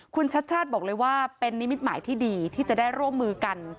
คุณชัดชาติบอกเลยว่าเป็นนิมิตหมายที่ดีที่จะได้ร่วมมือกัน